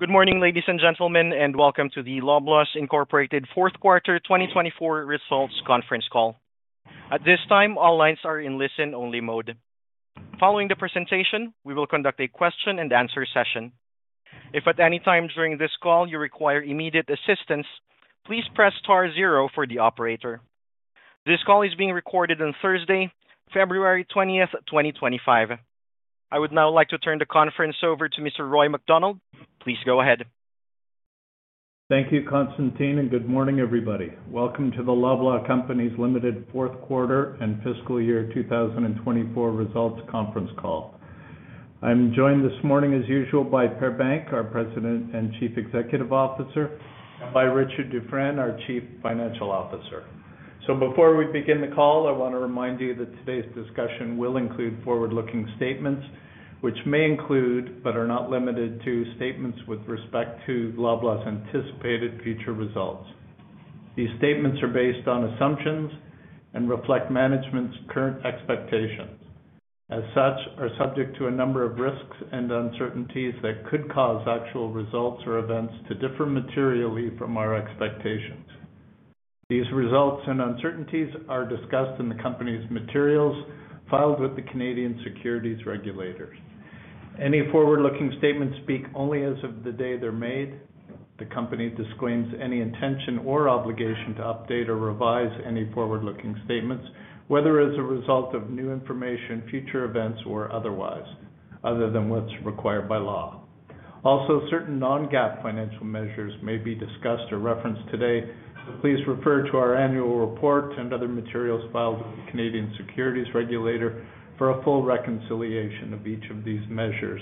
Good morning, ladies and gentlemen, and welcome to the Loblaw Companies Limited Fourth Quarter 2024 Results Conference Call. At this time, all lines are in listen-only mode. Following the presentation, we will conduct a question-and-answer session. If at any time during this call you require immediate assistance, please press star zero for the operator. This call is being recorded on Thursday, February 20th, 2025. I would now like to turn the conference over to Mr. Roy MacDonald. Please go ahead. Thank you, Constantine, and good morning, everybody. Welcome to the Loblaw Companies Limited Fourth Quarter and Fiscal Year 2024 Results Conference Call. I'm joined this morning, as usual, by Per Bank, our President and Chief Executive Officer, and by Richard Dufresne, our Chief Financial Officer. So before we begin the call, I want to remind you that today's discussion will include forward-looking statements, which may include but are not limited to statements with respect to Loblaw's anticipated future results. These statements are based on assumptions and reflect management's current expectations. As such, they are subject to a number of risks and uncertainties that could cause actual results or events to differ materially from our expectations. These results and uncertainties are discussed in the company's materials filed with the Canadian securities regulators. Any forward-looking statements speak only as of the day they're made. The company disclaims any intention or obligation to update or revise any forward-looking statements, whether as a result of new information, future events, or otherwise, other than what's required by law. Also, certain non-GAAP financial measures may be discussed or referenced today, so please refer to our annual report and other materials filed with the Canadian securities regulator for a full reconciliation of each of these measures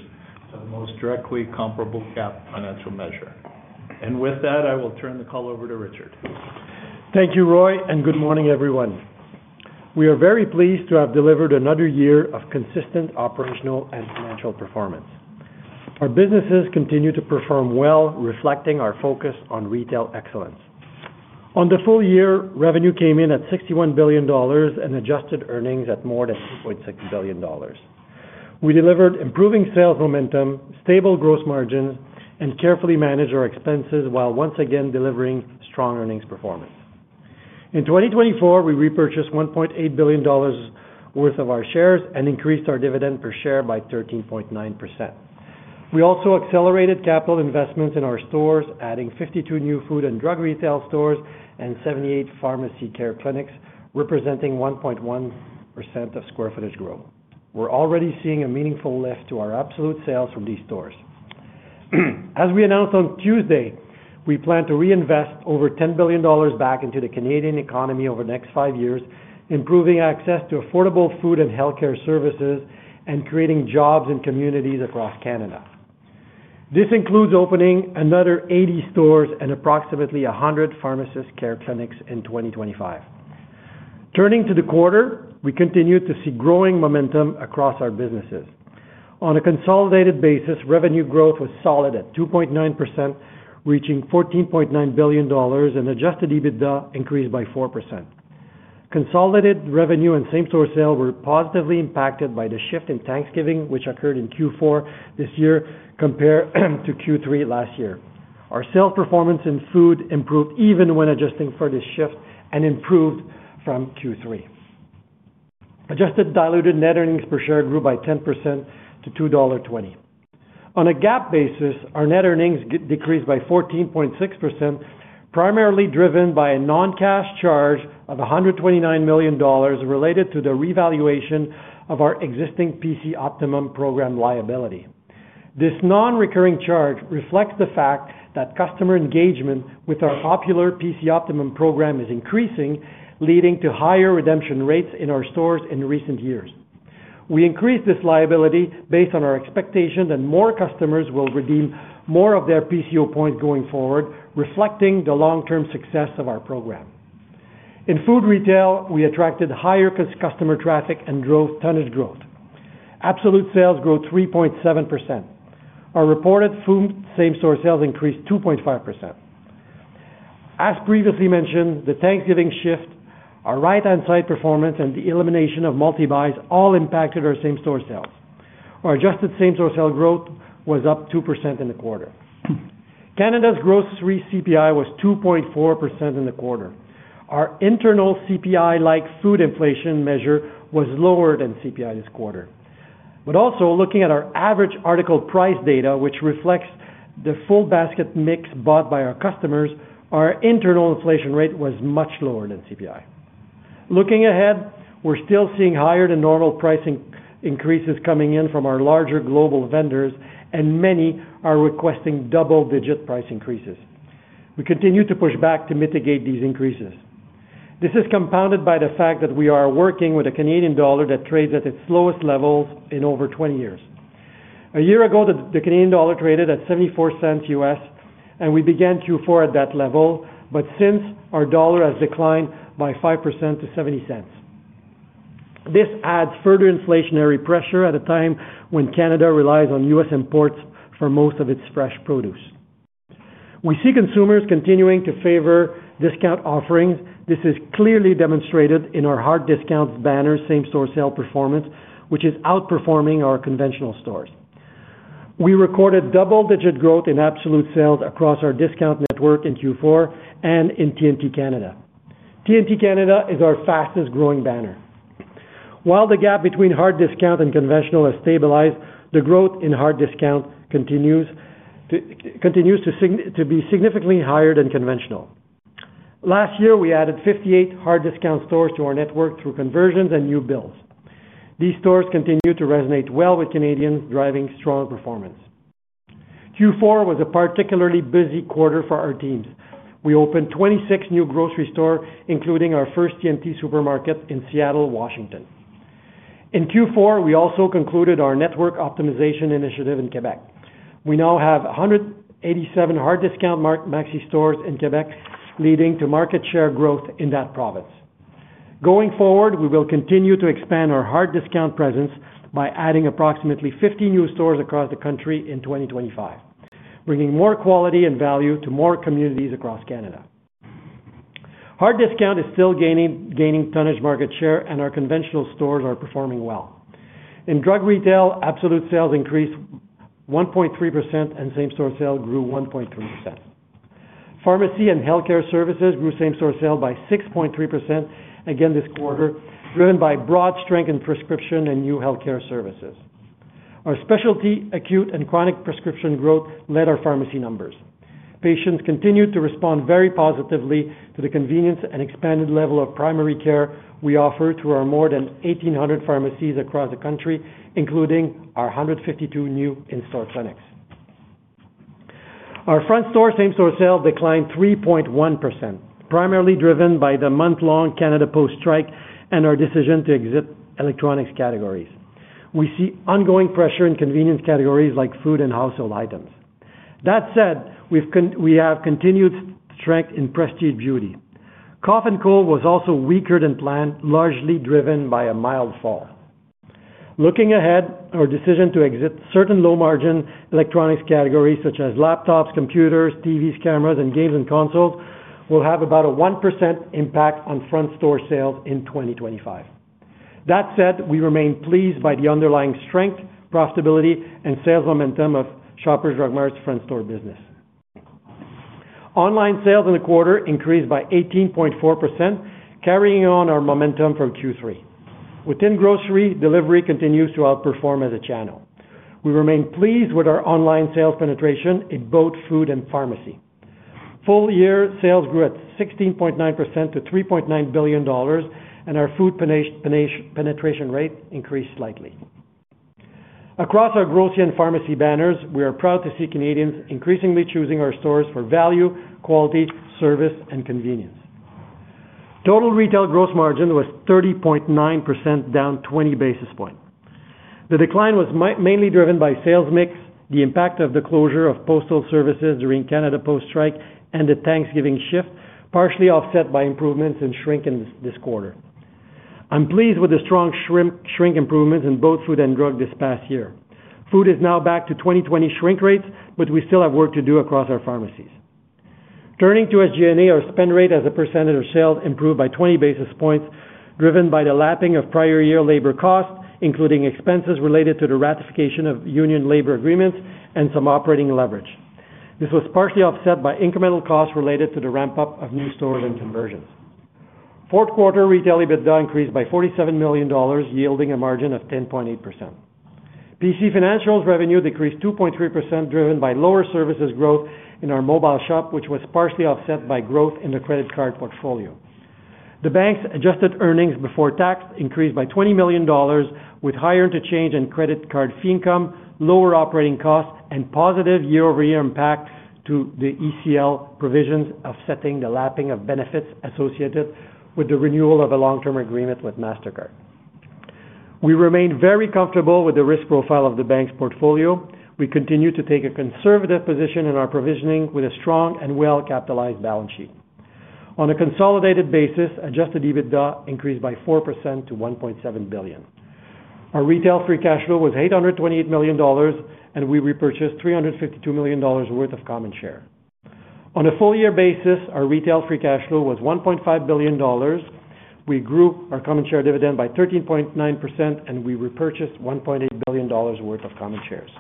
to the most directly comparable GAAP financial measure. And with that, I will turn the call over to Richard. Thank you, Roy, and good morning, everyone. We are very pleased to have delivered another year of consistent operational and financial performance. Our businesses continue to perform well, reflecting our focus on retail excellence. On the full year, revenue came in at CAD 61 billion and adjusted earnings at more than CAD 2.6 billion. We delivered improving sales momentum, stable gross margins, and carefully managed our expenses while once again delivering strong earnings performance. In 2024, we repurchased 1.8 billion dollars worth of our shares and increased our dividend per share by 13.9%. We also accelerated capital investments in our stores, adding 52 new food and drug retail stores and 78 pharmacy care clinics, representing 1.1% of square footage growth. We're already seeing a meaningful lift to our absolute sales from these stores. As we announced on Tuesday, we plan to reinvest over 10 billion dollars back into the Canadian economy over the next five years, improving access to affordable food and healthcare services and creating jobs in communities across Canada. This includes opening another 80 stores and approximately 100 pharmacist care clinics in 2025. Turning to the quarter, we continue to see growing momentum across our businesses. On a consolidated basis, revenue growth was solid at 2.9%, reaching 14.9 billion dollars, and Adjusted EBITDA increased by 4%. Consolidated revenue and same-store sales were positively impacted by the shift in Thanksgiving, which occurred in Q4 this year compared to Q3 last year. Our sales performance in food improved even when adjusting for this shift and improved from Q3. Adjusted diluted net earnings per share grew by 10% to 2.20 dollar. On a GAAP basis, our net earnings decreased by 14.6%, primarily driven by a non-cash charge of 129 million dollars related to the revaluation of our existing PC Optimum program liability. This non-recurring charge reflects the fact that customer engagement with our popular PC Optimum program is increasing, leading to higher redemption rates in our stores in recent years. We increased this liability based on our expectation that more customers will redeem more of their PCO points going forward, reflecting the long-term success of our program. In food retail, we attracted higher customer traffic and drove tonnage growth. Absolute sales grew 3.7%. Our reported same-store sales increased 2.5%. As previously mentioned, the Thanksgiving shift, our right-hand side performance, and the elimination of multi-buys all impacted our same-store sales. Our adjusted same-store sales growth was up 2% in the quarter. Canada's gross CPI was 2.4% in the quarter. Our internal CPI-like food inflation measure was lower than CPI this quarter. But also, looking at our average article price data, which reflects the full basket mix bought by our customers, our internal inflation rate was much lower than CPI. Looking ahead, we're still seeing higher than normal price increases coming in from our larger global vendors, and many are requesting double-digit price increases. We continue to push back to mitigate these increases. This is compounded by the fact that we are working with a Canadian dollar that trades at its lowest levels in over 20 years. A year ago, the Canadian dollar traded at $0.74 USD, and we began Q4 at that level, but since our dollar has declined by 5% to $0.70 USD. This adds further inflationary pressure at a time when Canada relies on U.S. imports for most of its fresh produce. We see consumers continuing to favor discount offerings. This is clearly demonstrated in hard discount banner's same-store sales performance, which is outperforming our conventional stores. We recorded double-digit growth in absolute sales across our discount network in Q4 and in T&T Canada. T&T Canada is our fastest-growing banner. While the gap between hard discount and conventional has stabilized, the growth hard discount continues to be significantly higher than conventional. Last year, we added hard discount stores to our network through conversions and new builds. These stores continue to resonate well with Canadians, driving strong performance. Q4 was a particularly busy quarter for our teams. We opened 26 new grocery stores, including our first T&T supermarket in Seattle, Washington. In Q4, we also concluded our network optimization initiative in Quebec. We now have hard discount maxi stores in Quebec, leading to market share growth in that province. Going forward, we will continue to expand hard discount presence by adding approximately 50 new stores across the country in 2025, bringing more quality and value to more communities across Canada. Hard discount is still gaining tonnage market share, and our conventional stores are performing well. In drug retail, absolute sales increased 1.3%, and same-store sales grew 1.3%. Pharmacy and healthcare services grew same-store sales by 6.3% again this quarter, driven by broad strength in prescription and new healthcare services. Our specialty, acute, and chronic prescription growth led our pharmacy numbers. Patients continued to respond very positively to the convenience and expanded level of primary care we offer to our more than 1,800 pharmacies across the country, including our 152 new in-store clinics. Our front store same-store sales declined 3.1%, primarily driven by the month-long Canada Post strike and our decision to exit electronics categories. We see ongoing pressure in convenience categories like food and household items. That said, we have continued strength in Prestige Beauty. Cough and cold was also weaker than planned, largely driven by a mild fall. Looking ahead, our decision to exit certain low-margin electronics categories such as laptops, computers, TVs, cameras, and games and consoles will have about a 1% impact on front store sales in 2025. That said, we remain pleased by the underlying strength, profitability, and sales momentum of Shoppers Drug Mart's front store business. Online sales in the quarter increased by 18.4%, carrying on our momentum from Q3. Within grocery, delivery continues to outperform as a channel. We remain pleased with our online sales penetration in both food and pharmacy. Full-year sales grew at 16.9% to 3.9 billion dollars, and our food penetration rate increased slightly. Across our grocery and pharmacy banners, we are proud to see Canadians increasingly choosing our stores for value, quality, service, and convenience. Total Retail Gross Margin was 30.9%, down 20 basis points. The decline was mainly driven by sales mix, the impact of the closure of postal services during Canada Post strike, and the Thanksgiving shift, partially offset by improvements in shrink in this quarter. I'm pleased with the strong shrink improvements in both food and drug this past year. Food is now back to 2020 shrink rates, but we still have work to do across our pharmacies. Turning to SG&A, our spend rate as a percentage of sales improved by 20 basis points, driven by the lapping of prior year labor costs, including expenses related to the ratification of union labor agreements and some operating leverage. This was partially offset by incremental costs related to the ramp-up of new stores and conversions. Fourth quarter Retail EBITDA increased by CAD 47 million, yielding a margin of 10.8%. PC Financial's revenue decreased 2.3%, driven by lower services growth in our The Mobile Shop, which was partially offset by growth in the credit card portfolio. The bank's adjusted earnings before tax increased by 20 million dollars, with higher interchange and credit card fee income, lower operating costs, and positive year-over-year impact to the ECL provisions, offsetting the lapping of benefits associated with the renewal of a long-term agreement with Mastercard. We remain very comfortable with the risk profile of the bank's portfolio. We continue to take a conservative position in our provisioning with a strong and well-capitalized balance sheet. On a consolidated basis, Adjusted EBITDA increased by 4% to 1.7 billion. Our Retail free cash flow was 828 million dollars, and we repurchased 352 million dollars worth of common shares. On a full-year basis, our Retail free cash flow was 1.5 billion dollars. We grew our common shares dividend by 13.9%, and we repurchased 1.8 billion dollars worth of common shares.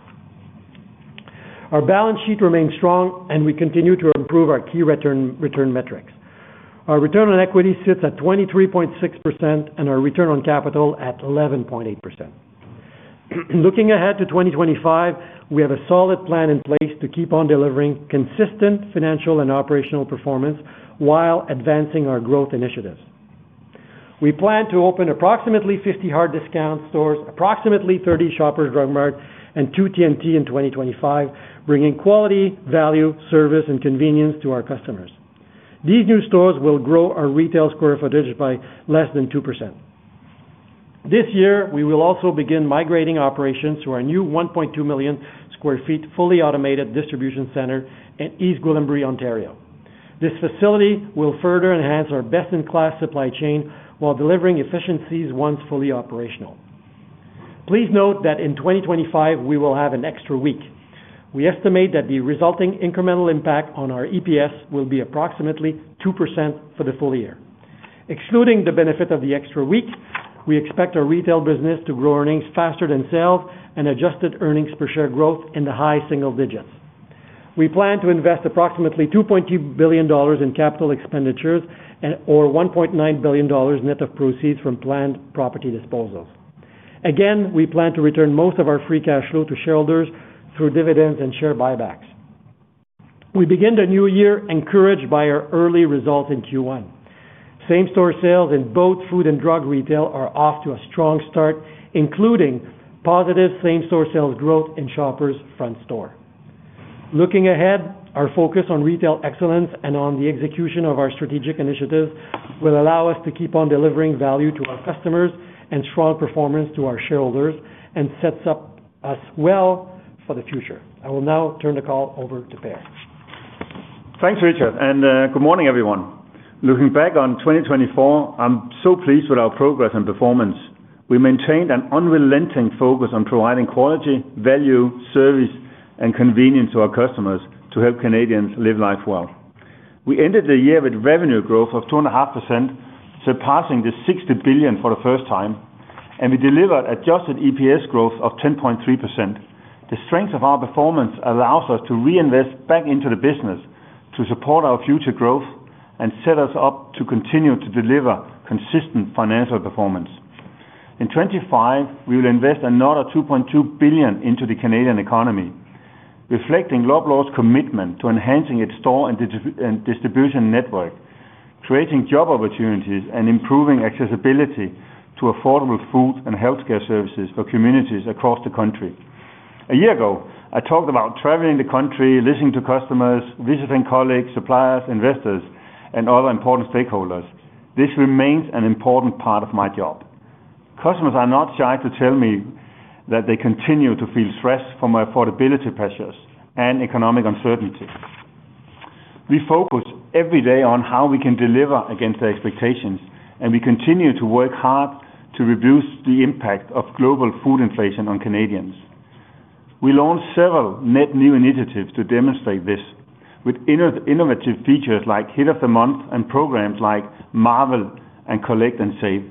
Our balance sheet remains strong, and we continue to improve our key return metrics. Our return on equity sits at 23.6%, and our return on capital at 11.8%. Looking ahead to 2025, we have a solid plan in place to keep on delivering consistent financial and operational performance while advancing our growth initiatives. We plan to open approximately 50 hard discount stores, approximately 30 Shoppers Drug Mart, and two T&T in 2025, bringing quality, value, service, and convenience to our customers. These new stores will grow our retail square footage by less than 2%. This year, we will also begin migrating operations to our new 1.2 million sq ft fully automated distribution center in East Gwillimbury, Ontario. This facility will further enhance our best-in-class supply chain while delivering efficiencies once fully operational. Please note that in 2025, we will have an extra week. We estimate that the resulting incremental impact on our EPS will be approximately 2% for the full year. Excluding the benefit of the extra week, we expect our retail business to grow earnings faster than sales and adjusted earnings per share growth in the high single digits. We plan to invest approximately 2.2 billion dollars in capital expenditures or 1.9 billion dollars net of proceeds from planned property disposals. Again, we plan to return most of our free cash flow to shareholders through dividends and share buybacks. We begin the new year encouraged by our early results in Q1. Same-store sales in both Food and Drug Retail are off to a strong start, including positive same-store sales growth in Shoppers front store. Looking ahead, our focus on retail excellence and on the execution of our strategic initiatives will allow us to keep on delivering value to our customers and strong performance to our shareholders and sets us well for the future. I will now turn the call over to Per. Thanks, Richard, and good morning, everyone. Looking back on 2024, I'm so pleased with our progress and performance. We maintained an unrelenting focus on providing quality, value, service, and convenience to our customers to help Canadians Live Life Well. We ended the year with revenue growth of 2.5%, surpassing 60 billion for the first time, and we delivered adjusted EPS growth of 10.3%. The strength of our performance allows us to reinvest back into the business to support our future growth and set us up to continue to deliver consistent financial performance. In 2025, we will invest another 2.2 billion into the Canadian economy, reflecting Loblaw's commitment to enhancing its store and distribution network, creating job opportunities, and improving accessibility to affordable food and healthcare services for communities across the country. A year ago, I talked about traveling the country, listening to customers, visiting colleagues, suppliers, investors, and other important stakeholders. This remains an important part of my job. Customers are not shy to tell me that they continue to feel stressed from the affordability pressures and economic uncertainty. We focus every day on how we can deliver against their expectations, and we continue to work hard to reduce the impact of global food inflation on Canadians. We launched several net new initiatives to demonstrate this, with innovative features like Hit of the Month and programs like Marvel and Collect & Save.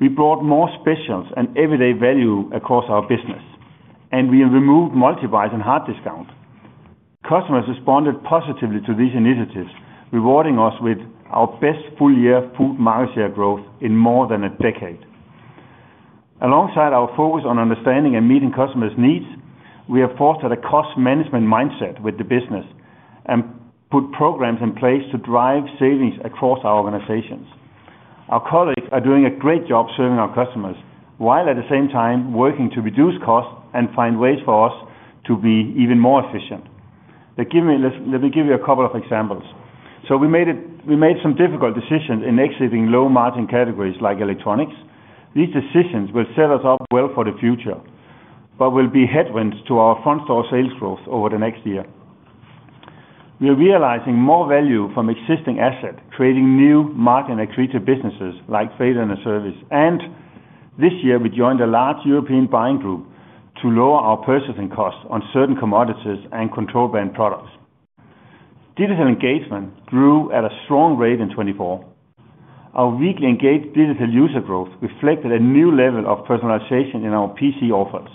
We brought more specials and everyday value across our business, and we removed multi-buys in hard discounts. customers responded positively to these initiatives, rewarding us with our best full-year food market share growth in more than a decade. Alongside our focus on understanding and meeting customers' needs, we have fostered a cost management mindset with the business and put programs in place to drive savings across our organizations. Our colleagues are doing a great job serving our customers while at the same time working to reduce costs and find ways for us to be even more efficient. Let me give you a couple of examples, so we made some difficult decisions in exiting low-margin categories like electronics. These decisions will set us up well for the future but will be headwinds to our front store sales growth over the next year. We are realizing more value from existing assets, creating new market and accretive businesses like freight and service. And this year, we joined a large European buying group to lower our purchasing costs on certain commodities and Control Brand products. Digital engagement grew at a strong rate in 2024. Our weekly engaged digital user growth reflected a new level of personalization in our PC offers,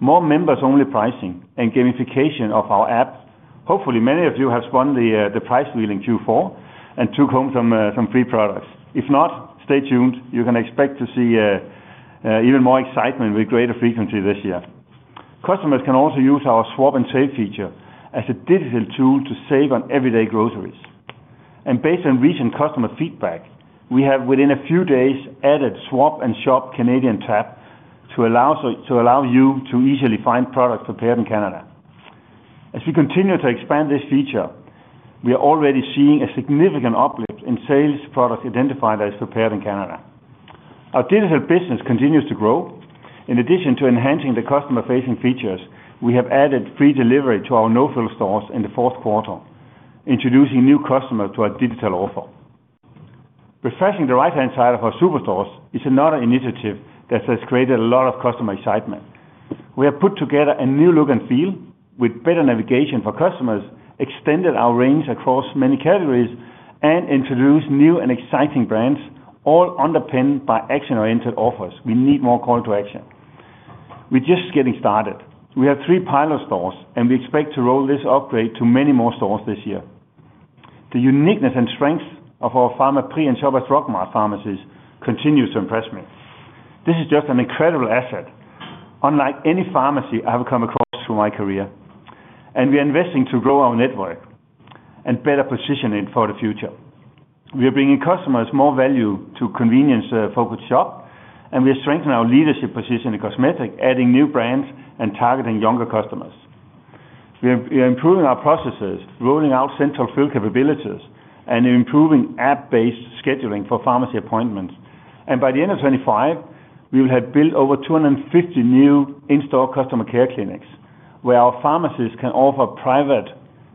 more members-only pricing, and gamification of our app. Hopefully, many of you have spun the Prize Wheel in Q4 and took home some free products. If not, stay tuned. You can expect to see even more excitement with greater frequency this year. Customers can also use our Swap & Save feature as a digital tool to save on everyday groceries. And based on recent customer feedback, we have, within a few days, added Swap & Save Canadian Tab to allow you to easily find products prepared in Canada. As we continue to expand this feature, we are already seeing a significant uplift in sales products identified as prepared in Canada. Our digital business continues to grow. In addition to enhancing the customer-facing features, we have added free delivery to our No Frills stores in the fourth quarter, introducing new customers to our digital offer. Refreshing the right-hand side of our superstores is another initiative that has created a lot of customer excitement. We have put together a new look and feel with better navigation for customers, extended our range across many categories, and introduced new and exciting brands, all underpinned by action-oriented offers. We need more call-to-action. We're just getting started. We have three pilot stores, and we expect to roll this upgrade to many more stores this year. The uniqueness and strength of our Pharmaprix and Shoppers Drug Mart pharmacies continues to impress me. This is just an incredible asset, unlike any pharmacy I have come across through my career. And we are investing to grow our network and better position it for the future. We are bringing customers more value to convenience-focused shop, and we are strengthening our leadership position in cosmetics, adding new brands, and targeting younger customers. We are improving our processes, rolling out central-fill capabilities, and improving app-based scheduling for pharmacy appointments. And by the end of 2025, we will have built over 250 new in-store customer care clinics where our pharmacies can offer private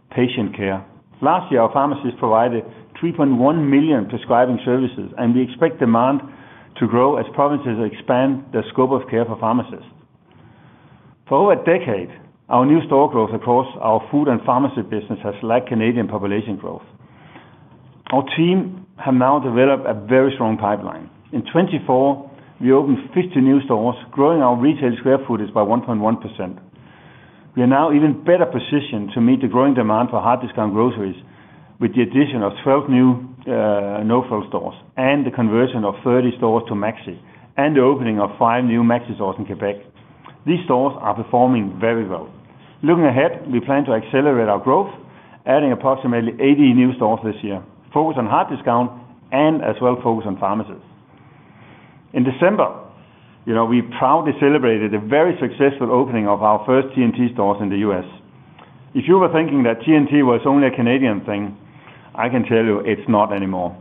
patient care. Last year, our pharmacies provided 3.1 million prescribing services, and we expect demand to grow as provinces expand their scope of care for pharmacists. For over a decade, our new store growth across our food and pharmacy business has lagged Canadian population growth. Our team has now developed a very strong pipeline. In 2024, we opened 50 new stores, growing our retail square footage by 1.1%. We are now even better positioned to meet the growing demand hard discount groceries with the addition of 12 new No Frills stores and the conversion of 30 stores to Maxi and the opening of five new Maxi stores in Quebec. These stores are performing very well. Looking ahead, we plan to accelerate our growth, adding approximately 80 new stores this year, focus hard discount, and as well, focus on pharmacies. In December, we proudly celebrated the very successful opening of our first T&T stores in the U.S. If you were thinking that T&T was only a Canadian thing, I can tell you it's not anymore.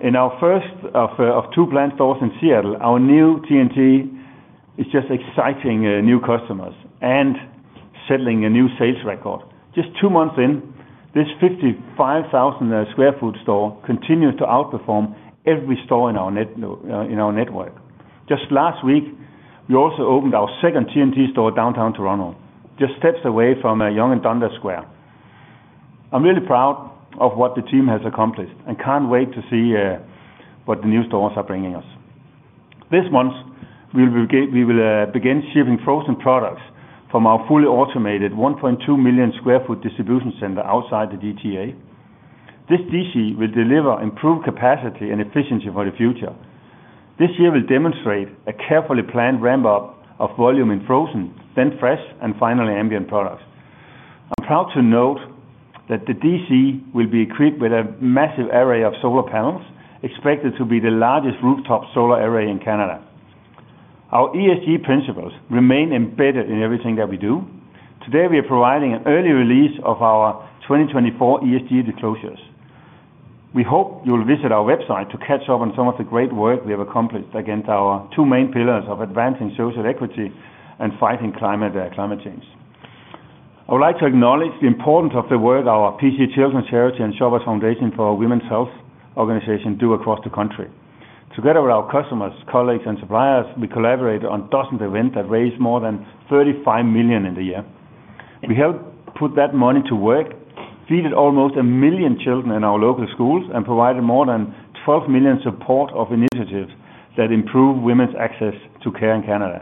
In our first of two planned stores in Seattle, our new T&T is just exciting new customers and setting a new sales record. Just two months in, this 55,000 sq ft store continues to outperform every store in our network. Just last week, we also opened our second T&T store downtown Toronto, just steps away from Yonge-Dundas Square. I'm really proud of what the team has accomplished and can't wait to see what the new stores are bringing us. This month, we will begin shipping frozen products from our fully automated 1.2 million sq ft distribution center outside the GTA. This DC will deliver improved capacity and efficiency for the future. This year will demonstrate a carefully planned ramp-up of volume in frozen, then fresh, and finally ambient products. I'm proud to note that the DC will be equipped with a massive array of solar panels, expected to be the largest rooftop solar array in Canada. Our ESG principles remain embedded in everything that we do. Today, we are providing an early release of our 2024 ESG disclosures. We hope you will visit our website to catch up on some of the great work we have accomplished against our two main pillars of advancing social equity and fighting climate change. I would like to acknowledge the importance of the work our PC Children's Charity and Shoppers Foundation for Women's Health do across the country. Together with our customers, colleagues, and suppliers, we collaborate on dozens of events that raise more than 35 million in the year. We help put that money to work, feed almost a million children in our local schools, and provide more than 12 million support initiatives that improve women's access to care in Canada.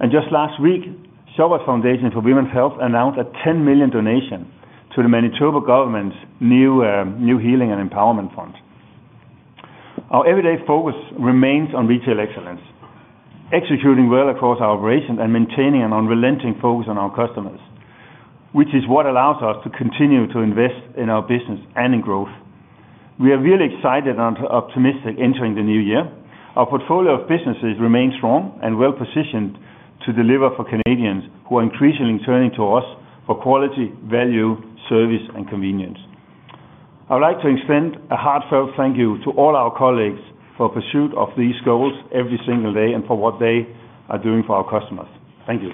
And just last week, Shoppers Foundation for Women's Health announced a 10 million donation to the Manitoba government's new Healing and Empowerment Fund. Our everyday focus remains on retail excellence, executing well across our operations and maintaining an unrelenting focus on our customers, which is what allows us to continue to invest in our business and in growth. We are really excited and optimistic entering the new year. Our portfolio of businesses remains strong and well-positioned to deliver for Canadians who are increasingly turning to us for quality, value, service, and convenience. I would like to extend a heartfelt thank you to all our colleagues for the pursuit of these goals every single day and for what they are doing for our customers. Thank you.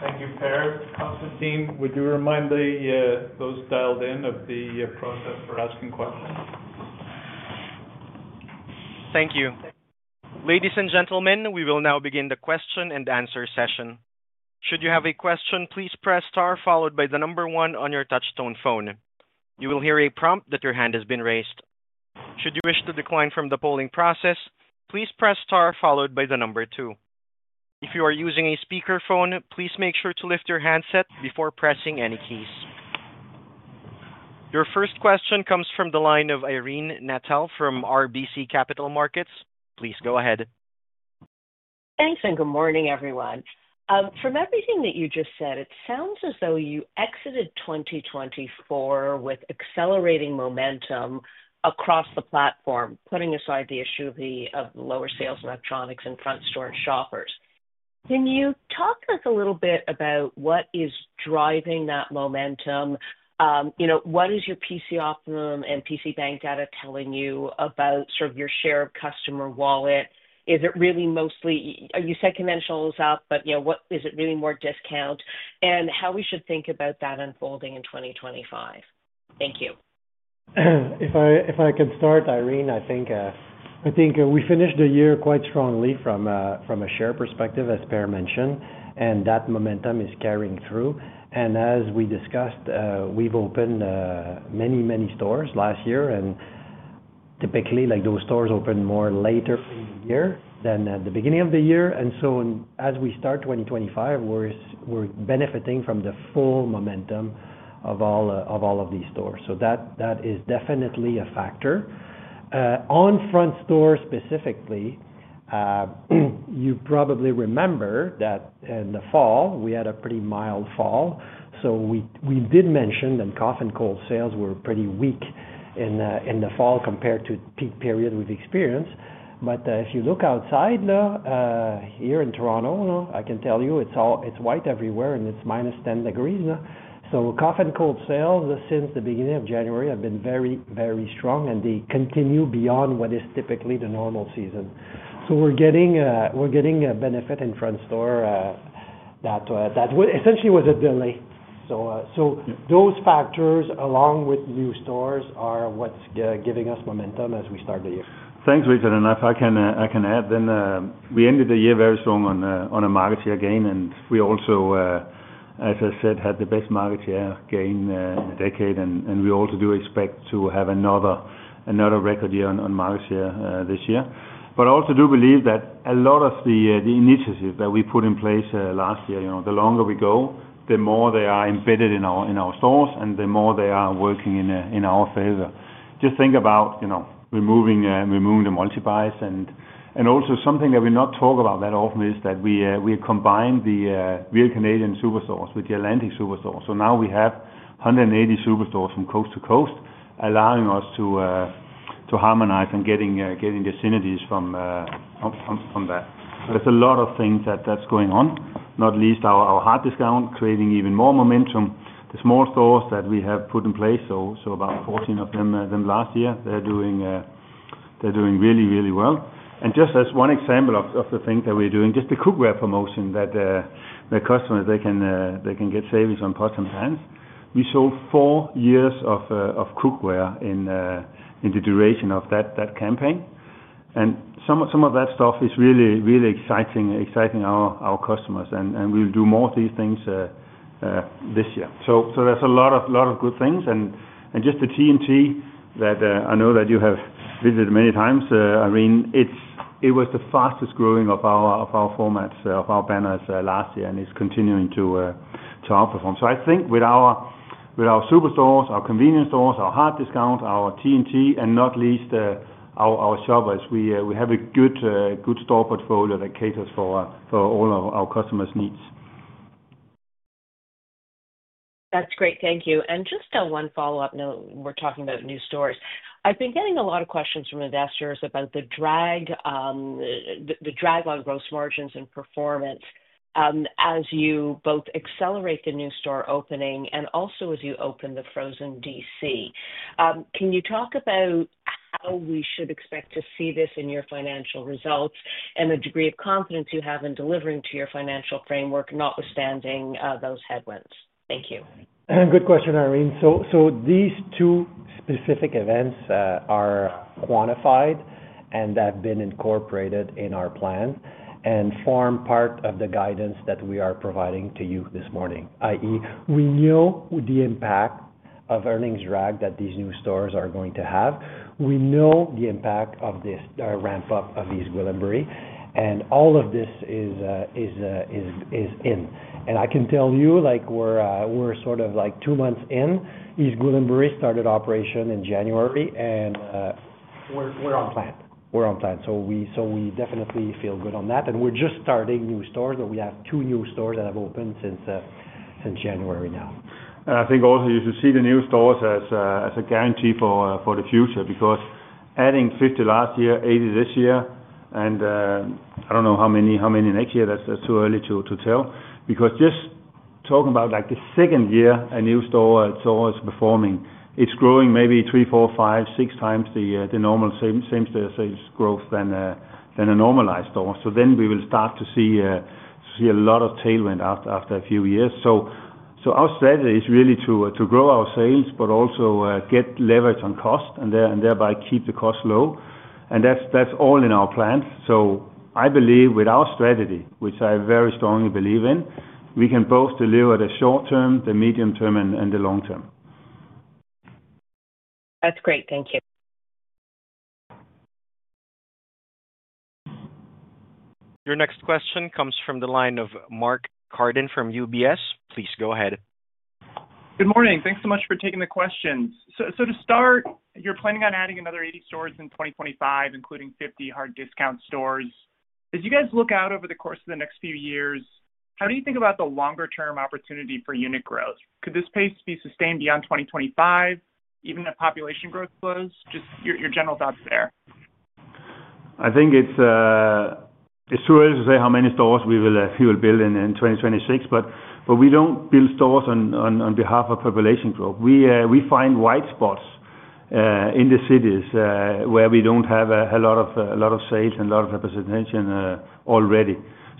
Thank you, Per. Constantine, team, would you remind those dialed in of the process for asking questions? Thank you. Ladies and gentlemen, we will now begin the question-and-answer session. Should you have a question, please press star followed by the number one on your touch-tone phone. You will hear a prompt that your hand has been raised. Should you wish to decline from the polling process, please press star followed by the number two. If you are using a speakerphone, please make sure to lift your handset before pressing any keys. Your first question comes from the line of Irene Nattel from RBC Capital Markets. Please go ahead. Thanks and good morning, everyone. From everything that you just said, it sounds as though you exited 2024 with accelerating momentum across the platform, putting aside the issue of lower sales in electronics and front store and Shoppers. Can you talk to us a little bit about what is driving that momentum? What is your PC Optimum and PC Financial data telling you about your share of customer wallet? Is it really mostly—you said conventional is up, but is it really more discount? And how we should think about that unfolding in 2025? Thank you. If I can start, Irene, I think we finished the year quite strongly from a share perspective, as Per mentioned, and that momentum is carrying through. And as we discussed, we've opened many, many stores last year, and typically, those stores open more later in the year than at the beginning of the year. And so as we start 2025, we're benefiting from the full momentum of all of these stores. So that is definitely a factor. On front store specifically, you probably remember that in the fall, we had a pretty mild fall. So we did mention that cough and cold sales were pretty weak in the fall compared to the peak period we've experienced. But if you look outside here in Toronto, I can tell you it's white everywhere and it's minus 10 degrees Celsius. So cough and cold sales since the beginning of January have been very, very strong, and they continue beyond what is typically the normal season. So we're getting a benefit in front store that essentially was a delay. So those factors, along with new stores, are what's giving us momentum as we start the year. Thanks, Richard. If I can add, then we ended the year very strong on a market share gain. We also, as I said, had the best market share gain in a decade. We also do expect to have another record year on market share this year. I also do believe that a lot of the initiatives that we put in place last year, the longer we go, the more they are embedded in our stores and the more they are working in our favor. Just think about removing the multi-buys. Also, something that we do not talk about that often is that we combine the Real Canadian Superstores with the Atlantic Superstores. Now we have 180 superstores from coast to coast, allowing us to harmonize and get the synergies from that. There's a lot of things that's going on, not least hard discount creating even more momentum. The small stores that we have put in place, so about 14 of them last year, they're doing really, really well. Just as one example of the things that we're doing, just the cookware promotion that customers, they can get savings on pots and pans. We sold four years of cookware in the duration of that campaign. Some of that stuff is really exciting our customers. We'll do more of these things this year. There's a lot of good things. Just the T&T that I know that you have visited many times, Irene, it was the fastest growing of our formats, of our banners last year, and it's continuing to outperform. So I think with our superstores, our convenience stores, hard discount, our T&T, and not least our Shoppers, we have a good store portfolio that caters for all of our customers' needs. That's great. Thank you. And just one follow-up note. We're talking about new stores. I've been getting a lot of questions from investors about the drag on gross margins and performance as you both accelerate the new store opening and also as you open the frozen DC. Can you talk about how we should expect to see this in your financial results and the degree of confidence you have in delivering to your financial framework, notwithstanding those headwinds? Thank you. Good question, Irene. So these two specific events are quantified and have been incorporated in our plan and form part of the guidance that we are providing to you this morning, i.e., we know the impact of earnings drag that these new stores are going to have. We know the impact of this ramp-up of East Gwillimbury, and all of this is in. And I can tell you we're sort of two months in. East Gwillimbury started operation in January.. And we're on plan. We're on plan. So we definitely feel good on that. And we're just starting new stores, but we have two new stores that have opened since January now. And I think also you should see the new stores as a guarantee for the future because adding 50 last year, 80 this year, and I don't know how many next year. That's too early to tell. Because just talking about the second year, a new store is performing. It's growing maybe three, four, five, six times the normal same-store sales growth than a normalized store. So then we will start to see a lot of tailwind after a few years. So our strategy is really to grow our sales, but also get leverage on cost and thereby keep the cost low. And that's all in our plan. So I believe with our strategy, which I very strongly believe in, we can both deliver the short term, the medium term, and the long term. That's great. Thank you. Your next question comes from the line of Mark Carden from UBS. Please go ahead. Good morning. Thanks so much for taking the questions. So to start, you're planning on adding another 80 stores in 2025, including hard discount stores. As you guys look out over the course of the next few years, how do you think about the longer-term opportunity for unit growth? Could this pace be sustained beyond 2025, even if population growth slows? Just your general thoughts there. I think it's too early to say how many stores we will build in 2026, but we don't build stores on behalf of population growth. We find white spots in the cities where we don't have a lot of sales and a lot of representation already.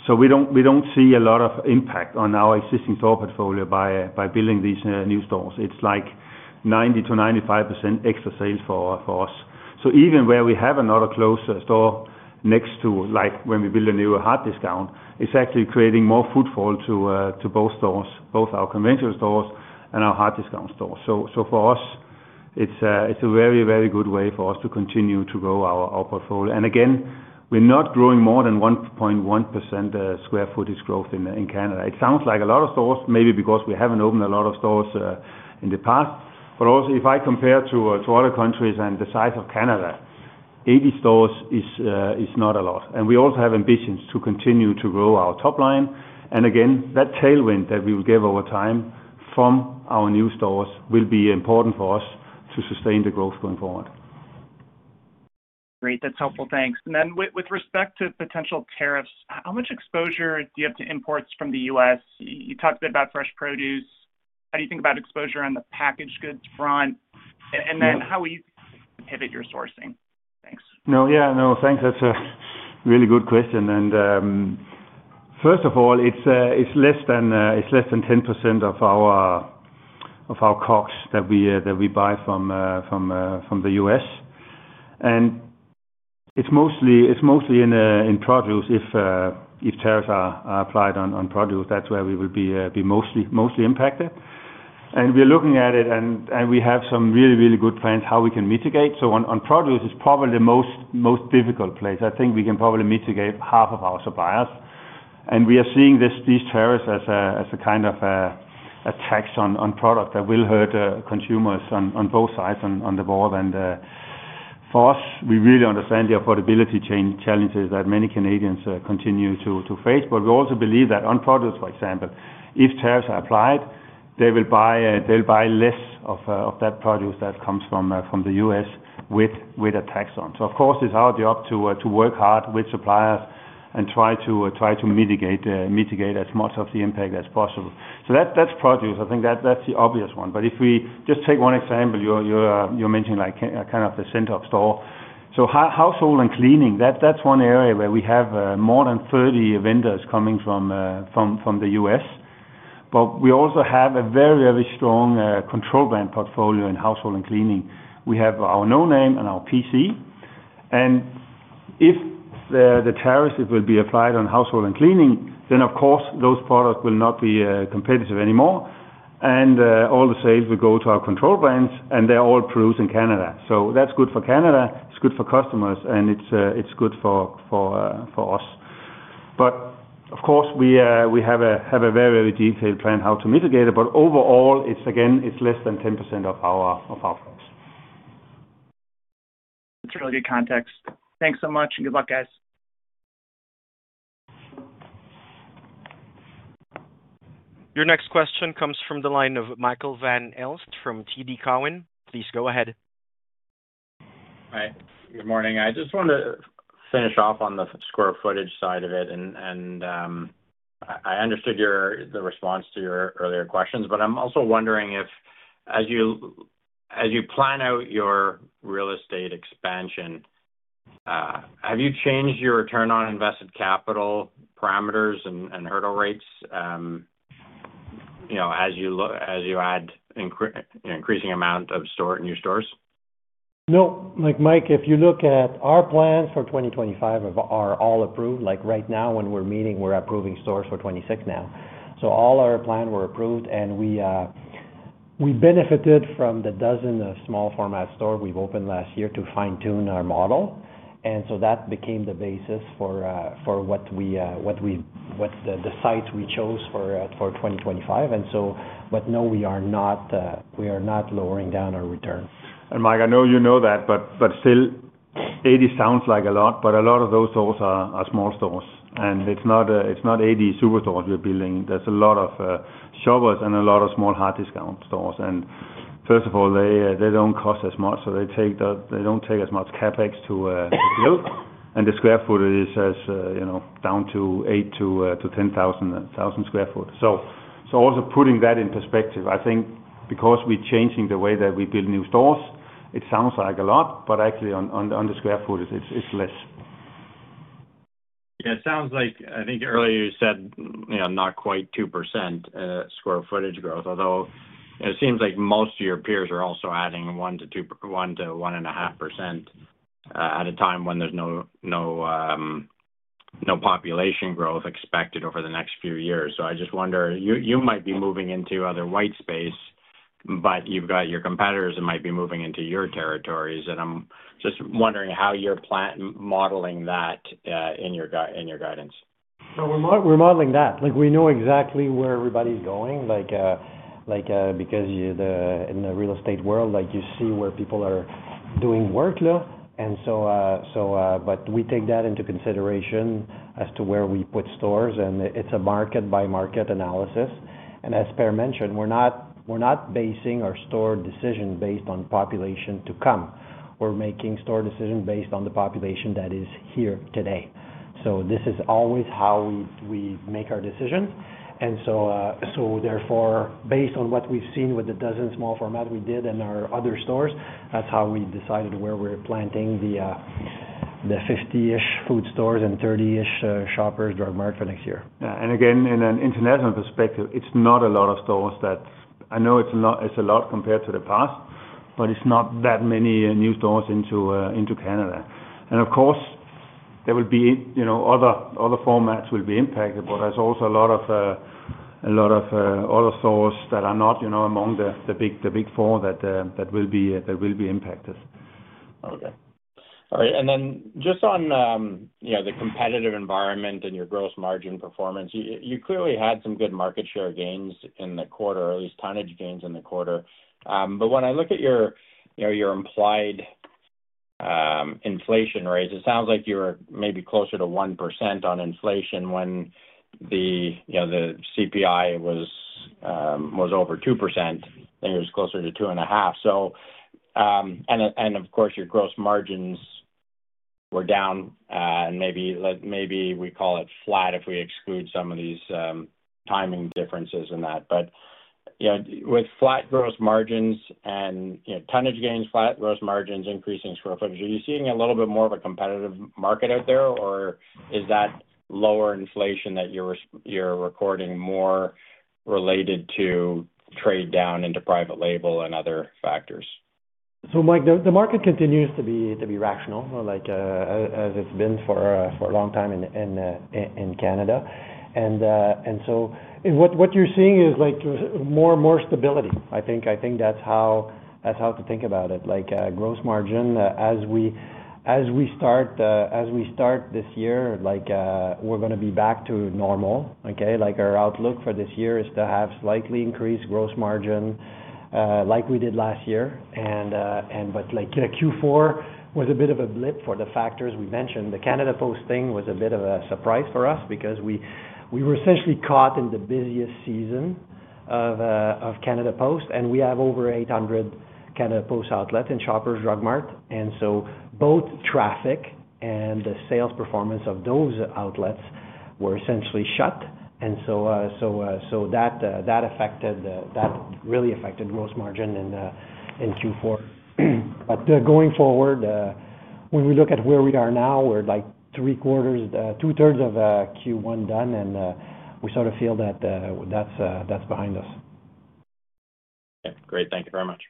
So we don't see a lot of impact on our existing store portfolio by building these new stores. It's like 90%-95% extra sales for us. So even where we have another close store next to when we build a hard discount, it's actually creating more footfall to both stores, both our conventional stores and hard discount stores. So for us, it's a very, very good way for us to continue to grow our portfolio. And again, we're not growing more than 1.1% square footage growth in Canada. It sounds like a lot of stores, maybe because we haven't opened a lot of stores in the past. But also, if I compare to other countries and the size of Canada, 80 stores is not a lot. And we also have ambitions to continue to grow our top line. And again, that tailwind that we will get over time from our new stores will be important for us to sustain the growth going forward. Great. That's helpful. Thanks. And then with respect to potential tariffs, how much exposure do you have to imports from the U.S.? You talked a bit about fresh produce. How do you think about exposure on the packaged goods front? And then how will you pivot your sourcing? Thanks. No. Yeah. No. Thanks. That's a really good question. And first of all, it's less than 10% of our COGS that we buy from the U.S. And it's mostly in produce. If tariffs are applied on produce, that's where we will be mostly impacted. And we're looking at it, and we have some really, really good plans how we can mitigate. So on produce, it's probably the most difficult place. I think we can probably mitigate half of our suppliers. And we are seeing these tariffs as a kind of a tax on product that will hurt consumers on both sides on the board. And for us, we really understand the affordability challenges that many Canadians continue to face. But we also believe that on produce, for example, if tariffs are applied, they will buy less of that produce that comes from the U.S. with a tax on. So of course, it's our job to work hard with suppliers and try to mitigate as much of the impact as possible. So that's produce. I think that's the obvious one. But if we just take one example, you're mentioning kind of the center of store. So household and cleaning, that's one area where we have more than 30 vendors coming from the U.S. But we also have a very, very strong Control Brand portfolio in household and cleaning. We have our No Name and our PC. And if the tariffs will be applied on household and cleaning, then of course, those products will not be competitive anymore. And all the sales will go to our control brands, and they're all produced in Canada. So that's good for Canada. It's good for customers, and it's good for us. But of course, we have a very, very detailed plan how to mitigate it. But overall, again, it's less than 10% of our price. That's really good context. Thanks so much, and good luck, guys. Your next question comes from the line of Michael Van Aelst from TD Cowen. Please go ahead. Hi. Good morning. I just want to finish off on the square footage side of it. And I understood the response to your earlier questions, but I'm also wondering if, as you plan out your real estate expansion, have you changed your return on invested capital parameters and hurdle rates as you add an increasing amount of new stores? No. Mike, if you look at our plans for 2025, they are all approved. Right now, when we're meeting, we're approving stores for 2026 now, so all our plans were approved, and we benefited from the dozen of small-format stores we've opened last year to fine-tune our model, and so that became the basis for what the sites we chose for 2025, and so, but no, we are not lowering down our return. And Mike, I know you know that, but still, 80 sounds like a lot, but a lot of those stores are small stores, and it's not 80 superstores we're building. There's a lot of Shoppers and a lot of hard discount stores. And first of all, they don't cost as much, so they don't take as much CapEx to build, and the square footage is down to 8,000-10,000 sq ft. So also putting that in perspective, I think, because we're changing the way that we build new stores, it sounds like a lot, but actually, on the square footage, it's less. Yeah. It sounds like, I think earlier you said not quite 2% square footage growth, although it seems like most of your peers are also adding 1%-1.5% at a time when there's no population growth expected over the next few years. So I just wonder, you might be moving into other white space, but you've got your competitors that might be moving into your territories. And I'm just wondering how you're modeling that in your guidance. We're modeling that. We know exactly where everybody's going because in the real estate world, you see where people are doing work. And so, but we take that into consideration as to where we put stores, and it's a market-by-market analysis. And as Per mentioned, we're not basing our store decision based on population to come. We're making store decisions based on the population that is here today. So this is always how we make our decisions. And so therefore, based on what we've seen with the dozen small formats we did and our other stores, that's how we decided where we're planting the 50-ish Food stores and 30-ish Shoppers Drug Mart for next year. Yeah. And again, in an international perspective, it's not a lot of stores that I know it's a lot compared to the past, but it's not that many new stores into Canada. Of course, there will be other formats that will be impacted, but there's also a lot of other stores that are not among the big four that will be impacted. Okay. All right. Then just on the competitive environment and your gross margin performance, you clearly had some good market share gains in the quarter, at least tonnage gains in the quarter. But when I look at your implied inflation rate, it sounds like you were maybe closer to 1% on inflation when the CPI was over 2%, and it was closer to 2.5%. Of course, your gross margins were down, and maybe we call it flat if we exclude some of these timing differences in that. But with flat gross margins and tonnage gains, flat gross margins, increasing square footage, are you seeing a little bit more of a competitive market out there, or is that lower inflation that you're recording more related to trade down into private label and other factors? So Mike, the market continues to be rational as it's been for a long time in Canada. And so what you're seeing is more stability. I think that's how to think about it. Gross margin, as we start this year, we're going to be back to normal. Okay? Our outlook for this year is to have slightly increased gross margin like we did last year. But Q4 was a bit of a blip for the factors we mentioned. The Canada Post thing was a bit of a surprise for us because we were essentially caught in the busiest season of Canada Post, and we have over 800 Canada Post outlets and Shoppers Drug Mart. And so both traffic and the sales performance of those outlets were essentially shut. And so that really affected gross margin in Q4. But going forward, when we look at where we are now, we're like two-thirds of Q1 done, and we sort of feel that that's behind us. Okay. Great. Thank you very much.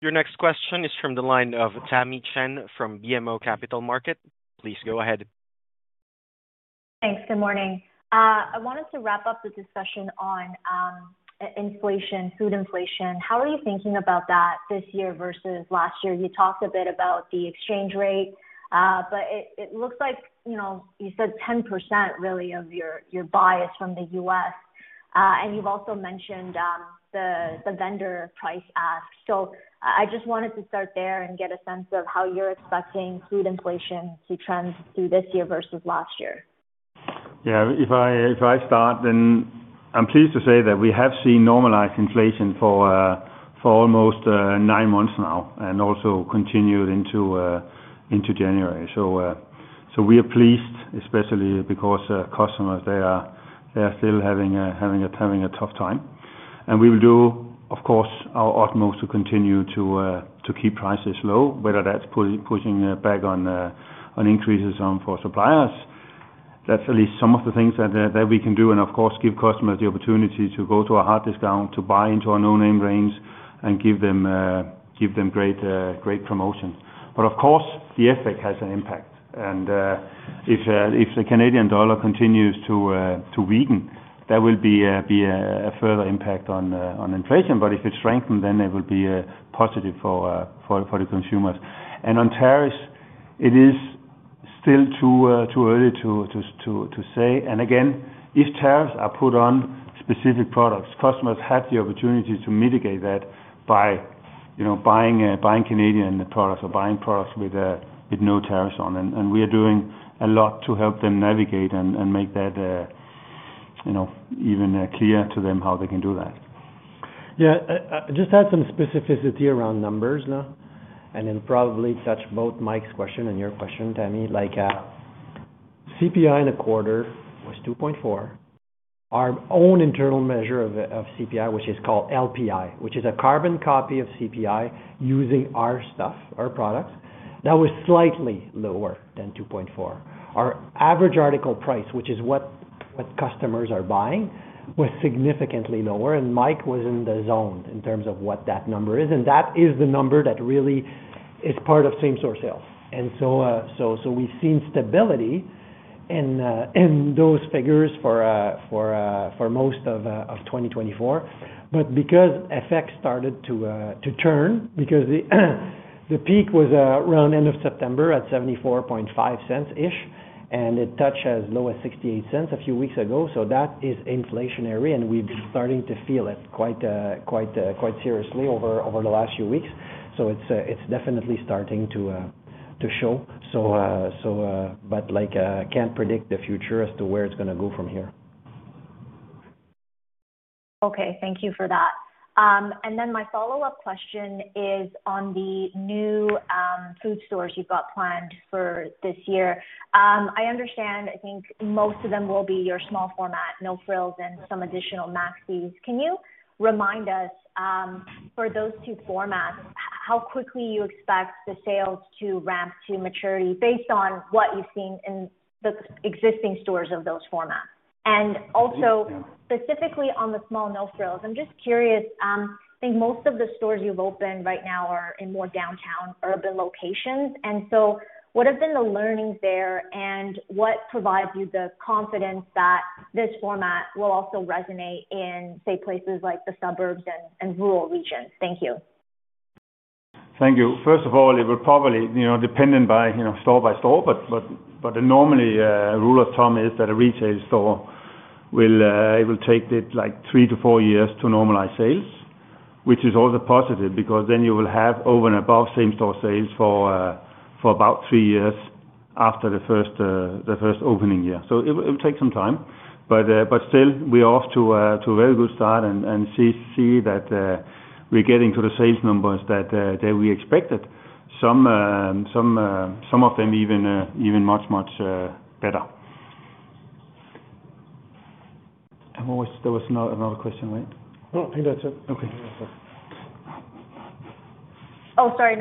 Your next question is from the line of Tamy Chen from BMO Capital Markets. Please go ahead. Thanks. Good morning. I wanted to wrap up the discussion on inflation, food inflation. How are you thinking about that this year versus last year? You talked a bit about the exchange rate, but it looks like you said 10% really of your buys from the U.S. And you've also mentioned the vendor price ask. So I just wanted to start there and get a sense of how you're expecting food inflation to trend through this year versus last year. Yeah. If I start, then I'm pleased to say that we have seen normalized inflation for almost nine months now and also continued into January. So we are pleased, especially because customers, they are still having a tough time. And we will do, of course, our utmost to continue to keep prices low, whether that's pushing back on increases for suppliers. That's at least some of the things that we can do. Of course, give customers the opportunity to go to hard discount, to buy into our No Name range, and give them great promotion. But of course, the FX has an impact. If the Canadian dollar continues to weaken, there will be a further impact on inflation. But if it strengthens, then it will be positive for the consumers. On tariffs, it is still too early to say. Again, if tariffs are put on specific products, customers have the opportunity to mitigate that by buying Canadian products or buying products with no tariffs on. We are doing a lot to help them navigate and make that even clear to them how they can do that. Yeah. Just add some specificity around numbers now, and then probably touch both Mike's question and your question, Tamy. CPI in a quarter was 2.4%. Our own internal measure of CPI, which is called LPI, which is a carbon copy of CPI using our stuff, our products, that was slightly lower than 2.4%. Our average article price, which is what customers are buying, was significantly lower. And Mike was in the zone in terms of what that number is. And that is the number that really is part of same-store sales. And so we've seen stability in those figures for most of 2024. But because FX started to turn, because the peak was around end of September at $0.745-ish, and it touched as low as $0.68 a few weeks ago, so that is inflationary. And we've been starting to feel it quite seriously over the last few weeks. So it's definitely starting to show. But I can't predict the future as to where it's going to go from here. Okay. Thank you for that. And then my follow-up question is on the new food stores you've got planned for this year. I understand, I think most of them will be your small format, No Frills, and some additional Maxis. Can you remind us, for those two formats, how quickly you expect the sales to ramp to maturity based on what you've seen in the existing stores of those formats? And also, specifically on the small No Frills, I'm just curious. I think most of the stores you've opened right now are in more downtown urban locations. And so what have been the learnings there, and what provides you the confidence that this format will also resonate in, say, places like the suburbs and rural regions? Thank you. Thank you. First of all, it will probably depend by store by store. But normally, rule of thumb is that a retail store will take three to four years to normalize sales, which is also positive because then you will have over and above same-store sales for about three years after the first opening year. So it will take some time. But still, we are off to a very good start and see that we're getting to the sales numbers that we expected, some of them even much, much better. There was another question, right? No, I think that's it. Okay. Oh, sorry.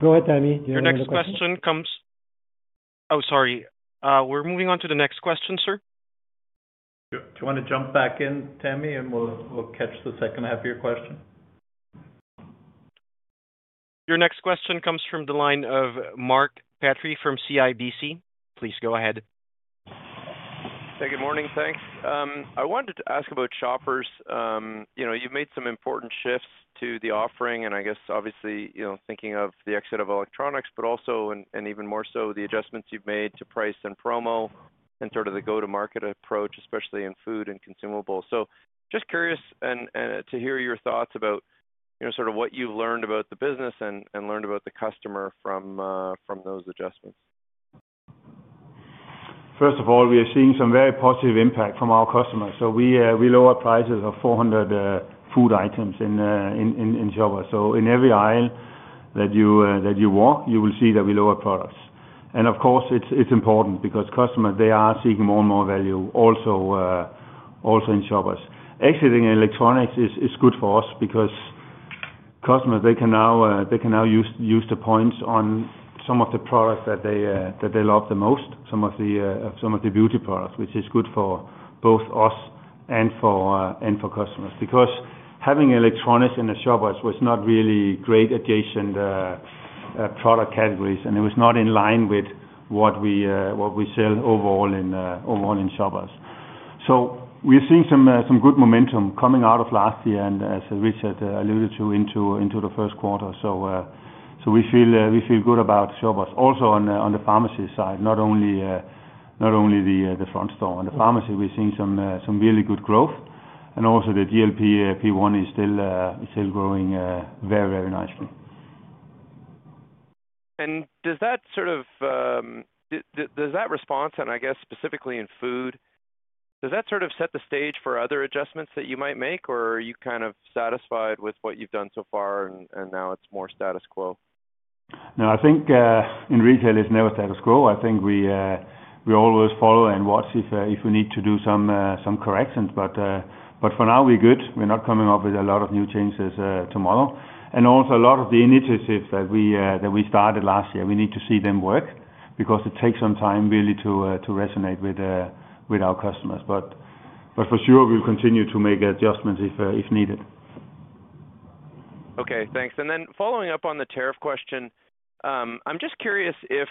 Go ahead, Tamy. Your next question comes. Oh, sorry. We're moving on to the next question, sir. Do you want to jump back in, Tamy, and we'll catch the second half of your question? Your next question comes from the line of Mark Petrie from CIBC. Please go ahead. Hey, good morning. Thanks. I wanted to ask about Shoppers. You've made some important shifts to the offering, and I guess, obviously, thinking of the exit of electronics, but also, and even more so, the adjustments you've made to price and promo and sort of the go-to-market approach, especially in food and consumables. So just curious to hear your thoughts about sort of what you've learned about the business and learned about the customer from those adjustments? First of all, we are seeing some very positive impact from our customers. So we lower prices of 400 food items in Shoppers. So in every aisle that you walk, you will see that we lower products. And of course, it's important because customers, they are seeking more and more value also in Shoppers. Exiting electronics is good for us because customers, they can now use the points on some of the products that they love the most, some of the beauty products, which is good for both us and for customers because having electronics in the Shoppers was not really great adjacent product categories, and it was not in line with what we sell overall in Shoppers. So we're seeing some good momentum coming out of last year, and as Richard alluded to, into the first quarter. So we feel good about Shoppers. Also on the pharmacy side, not only the front store. On the pharmacy, we're seeing some really good growth. And also the GLP-1 is still growing very, very nicely. And does that sort of response, and I guess specifically in food, does that sort of set the stage for other adjustments that you might make, or are you kind of satisfied with what you've done so far, and now it's more status quo? No, I think in retail, it's never status quo. I think we always follow and watch if we need to do some corrections. But for now, we're good. We're not coming up with a lot of new changes tomorrow. And also a lot of the initiatives that we started last year, we need to see them work because it takes some time really to resonate with our customers. But for sure, we'll continue to make adjustments if needed. Okay. Thanks. Then following up on the tariff question, I'm just curious if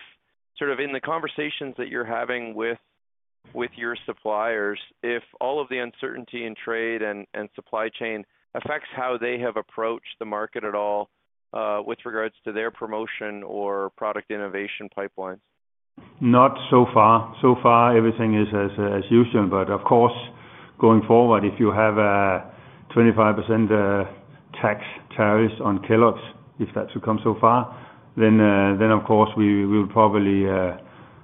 sort of in the conversations that you're having with your suppliers, if all of the uncertainty in trade and supply chain affects how they have approached the market at all with regards to their promotion or product innovation pipelines? Not so far. So far, everything is as usual. But of course, going forward, if you have a 25% tax tariffs on Kellogg's, if that should come so far, then of course, we will probably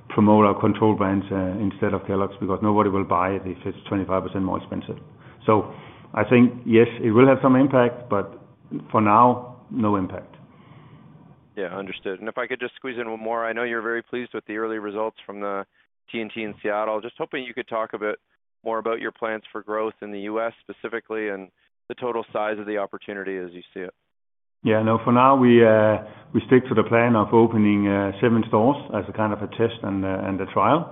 promote our control brands instead of Kellogg's because nobody will buy it if it's 25% more expensive. So I think, yes, it will have some impact, but for now, no impact. Yeah. Understood. If I could just squeeze in one more, I know you're very pleased with the early results from the T&T in Seattle. Just hoping you could talk a bit more about your plans for growth in the U.S. specifically and the total size of the opportunity as you see it. Yeah. No, for now, we stick to the plan of opening seven stores as a kind of a test and a trial.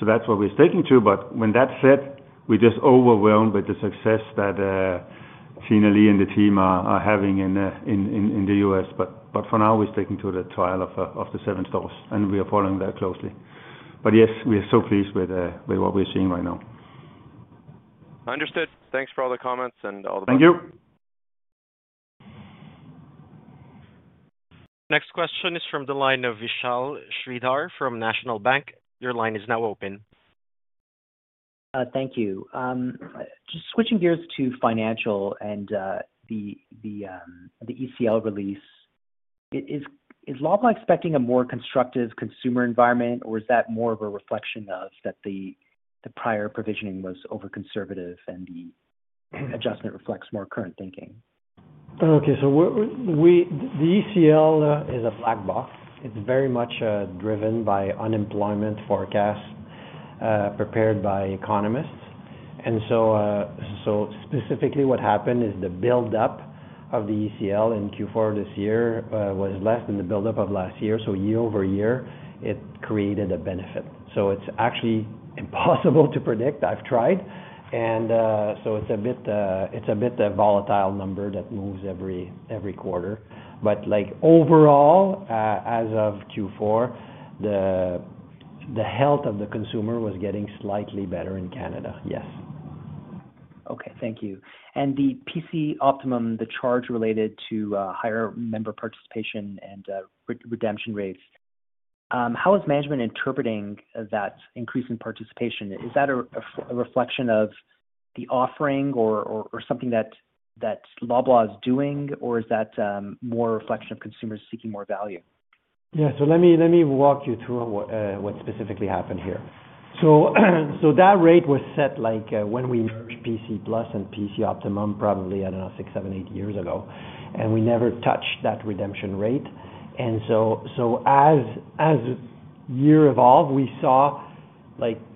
So that's what we're sticking to. But when that's set, we're just overwhelmed with the success that Tina Lee and the team are having in the U.S. But for now, we're sticking to the trial of the seven stores, and we are following that closely. But yes, we are so pleased with what we're seeing right now. Understood. Thanks for all the comments and all the. Thank you. Next question is from the line of Vishal Shreedhar from National Bank. Your line is now open. Thank you. Just switching gears to financial and the ECL release, is Loblaw expecting a more constructive consumer environment, or is that more of a reflection of that the prior provisioning was over-conservative and the adjustment reflects more current thinking? Okay. So the ECL is a black box. It's very much driven by unemployment forecasts prepared by economists. And so specifically, what happened is the build-up of the ECL in Q4 this year was less than the build-up of last year. So year-over-year, it created a benefit. So it's actually impossible to predict. I've tried. And so it's a bit of a volatile number that moves every quarter. But overall, as of Q4, the health of the consumer was getting slightly better in Canada. Yes. Okay. Thank you. And the PC Optimum, the charge related to higher member participation and redemption rates, how is management interpreting that increase in participation? Is that a reflection of the offering or something that Loblaw is doing, or is that more a reflection of consumers seeking more value? Yeah. So let me walk you through what specifically happened here. So that rate was set when we merged PC Plus and PC Optimum probably, I don't know, six, seven, eight years ago. And we never touched that redemption rate. And so as the year evolved, we saw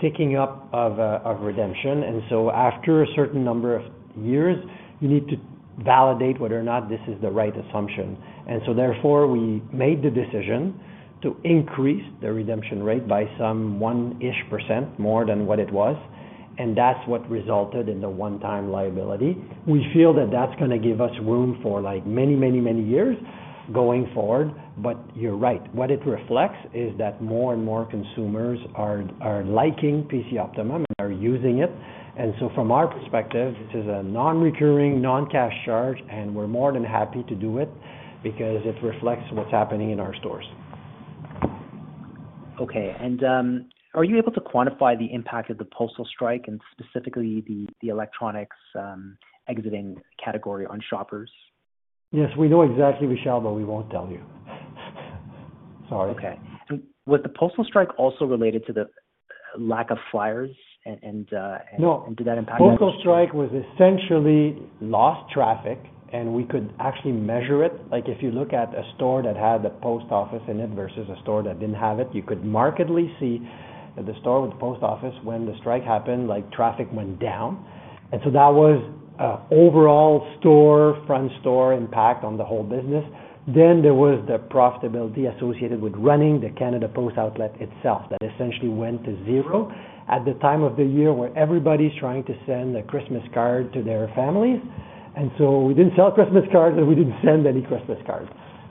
ticking up of redemption. And so after a certain number of years, you need to validate whether or not this is the right assumption. And so therefore, we made the decision to increase the redemption rate by some one-ish% more than what it was. And that's what resulted in the one-time liability. We feel that that's going to give us room for many, many, many years going forward. But you're right. What it reflects is that more and more consumers are liking PC Optimum and are using it. And so from our perspective, this is a non-recurring, non-cash charge, and we're more than happy to do it because it reflects what's happening in our stores. Okay. And are you able to quantify the impact of the postal strike and specifically the electronics exiting category on Shoppers? Yes. We know exactly, Vishal, but we won't tell you. Sorry. Okay. Was the postal strike also related to the lack of flyers? And did that impact? No, postal strike was essentially lost traffic, and we could actually measure it. If you look at a store that had the post office in it versus a store that didn't have it, you could markedly see that the store with the post office, when the strike happened, traffic went down. And so that was overall store, front store impact on the whole business. Then there was the profitability associated with running the Canada Post outlet itself, that essentially went to zero at the time of the year where everybody's trying to send a Christmas card to their families. And so we didn't sell Christmas cards, and we didn't send any Christmas cards.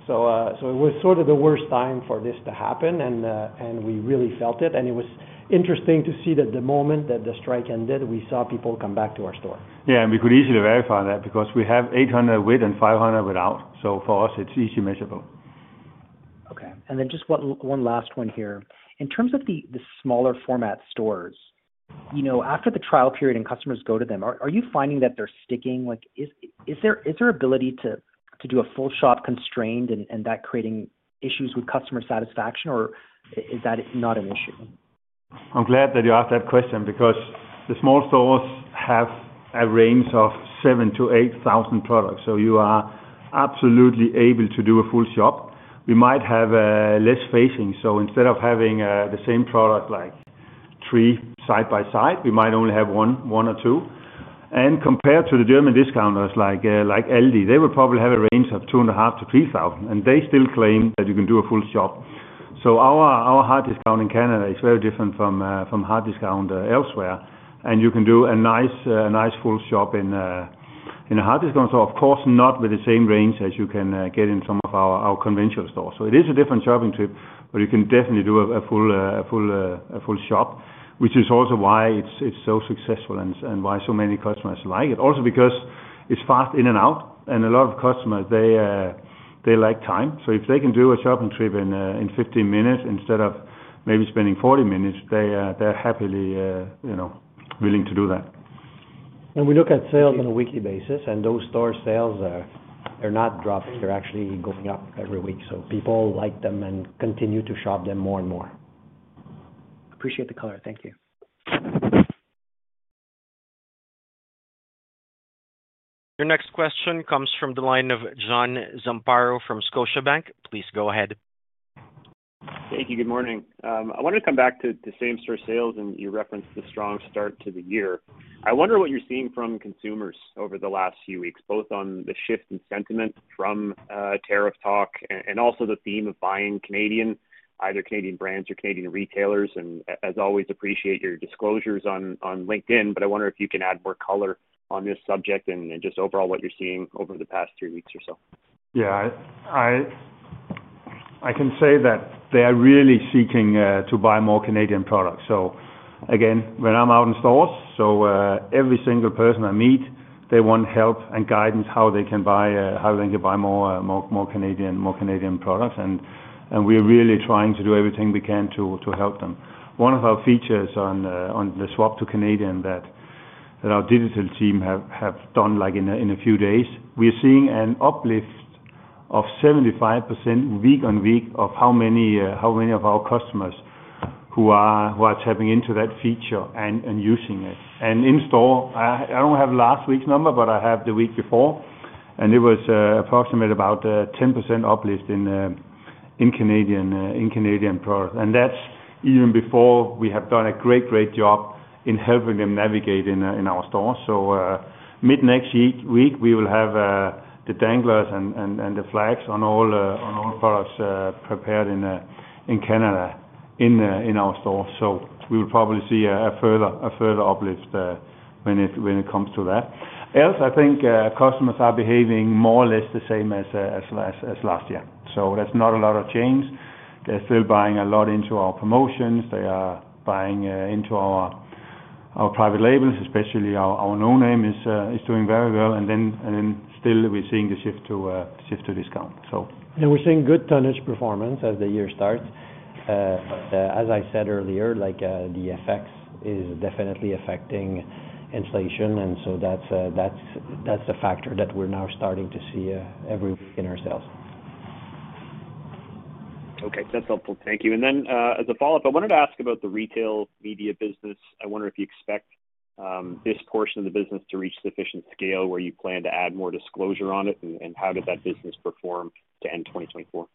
So it was sort of the worst time for this to happen, and we really felt it. And it was interesting to see that the moment that the strike ended, we saw people come back to our store. Yeah. And we could easily verify that because we have 800 with and 500 without. So for us, it's easily measurable. Okay. And then just one last one here. In terms of the smaller format stores, after the trial period and customers go to them, are you finding that they're sticking? Is there ability to do a full shop constrained and that creating issues with customer satisfaction, or is that not an issue? I'm glad that you asked that question because the small stores have a range of 7,000 to 8,000 products, so you are absolutely able to do a full shop. We might have less facing, so instead of having the same product like three side by side, we might only have one or two. And compared to the German discounters like Aldi, they will probably have a range of 2,500 to 3,000, and they still claim that you can do a full shop, so hard discount in Canada is very different hard discount elsewhere. You can do a nice full shop in hard discount store, of course, not with the same range as you can get in some of our conventional stores. So it is a different shopping trip, but you can definitely do a full shop, which is also why it's so successful and why so many customers like it. Also because it's fast in and out. And a lot of customers, they lack time. So if they can do a shopping trip in 15 minutes instead of maybe spending 40 minutes, they're happily willing to do that. And we look at sales on a weekly basis, and those store sales are not dropping. They're actually going up every week. So people like them and continue to shop them more and more. Appreciate the color. Thank you. Your next question comes from the line of John Zamparo from Scotiabank. Please go ahead. Thank you. Good morning. I wanted to come back to same-store sales and your reference to the strong start to the year. I wonder what you're seeing from consumers over the last few weeks, both on the shift in sentiment from tariff talk and also the theme of buying Canadian, either Canadian brands or Canadian retailers. And as always, appreciate your disclosures on LinkedIn, but I wonder if you can add more color on this subject and just overall what you're seeing over the past three weeks or so. Yeah. I can say that they are really seeking to buy more Canadian products. So again, when I'm out in stores, so every single person I meet, they want help and guidance how they can buy more Canadian products. And we're really trying to do everything we can to help them. One of our features on the Swap to Canadian that our digital team have done in a few days, we're seeing an uplift of 75% week-on-week of how many of our customers who are tapping into that feature and using it. And in store, I don't have last week's number, but I have the week before. And it was approximately about 10% uplift in Canadian products. And that's even before we have done a great, great job in helping them navigate in our stores. So mid-next week, we will have the danglers and the flags on all products prepared in Canada in our stores. So we will probably see a further uplift when it comes to that. Else, I think customers are behaving more or less the same as last year. So that's not a lot of change. They're still buying a lot into our promotions. They are buying into our private labels, especially our No Name is doing very well. And then still, we're seeing the shift to discount. And we're seeing good tonnage performance as the year starts. But as I said earlier, the FX is definitely affecting inflation. And so that's a factor that we're now starting to see every week in our sales. Okay. That's helpful. Thank you. And then as a follow-up, I wanted to ask about the retail media business. I wonder if you expect this portion of the business to reach sufficient scale where you plan to add more disclosure on it, and how did that business perform to end 2024?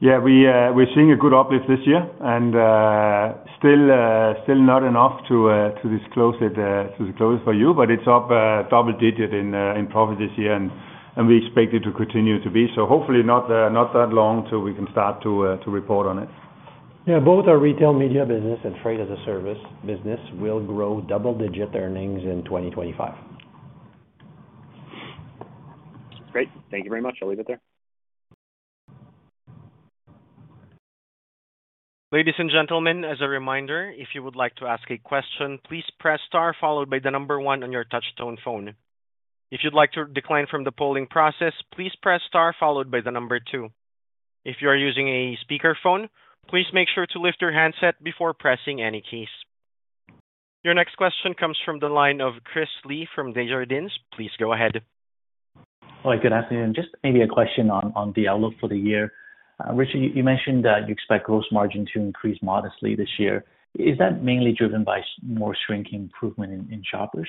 Yeah. We're seeing a good uplift this year. And still not enough to disclose it for you, but it's up double-digit in profit this year. And we expect it to continue to be. So hopefully, not that long till we can start to report on it. Yeah. Both our retail media business and Trade as a Service business will grow double-digit earnings in 2025. Great. Thank you very much. I'll leave it there. Ladies and gentlemen, as a reminder, if you would like to ask a question, please press star followed by the number one on your touch-tone phone. If you'd like to decline from the polling process, please press star followed by the number two. If you are using a speakerphone, please make sure to lift your handset before pressing any keys. Your next question comes from the line of Chris Li from Desjardins. Please go ahead. Hi. Good afternoon. Just maybe a question on the outlook for the year. Richard, you mentioned that you expect gross margin to increase modestly this year. Is that mainly driven by more shrink improvement in Shoppers?